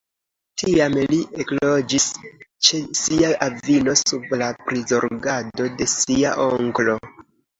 Tiam li ekloĝis ĉe sia avino sub la prizorgado de sia onklo.